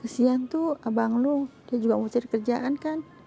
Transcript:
siang tuh abang lu dia juga mau cari kerjaan kan